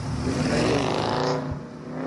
Tenɣa-yawen-tt.